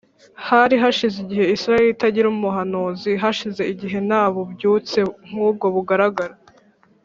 Hari hashize igihe Isiraheli itagira umuhanuzi, hashize igihe nta bubyutse nk’ubwo bugaragara.